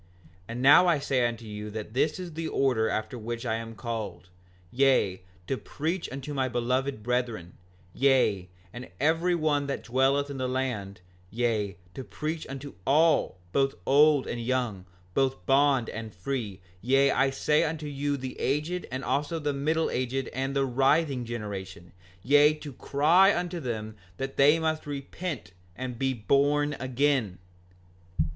5:49 And now I say unto you that this is the order after which I am called, yea, to preach unto my beloved brethren, yea, and every one that dwelleth in the land; yea, to preach unto all, both old and young, both bond and free; yea, I say unto you the aged, and also the middle aged, and the rising generation; yea, to cry unto them that they must repent and be born again.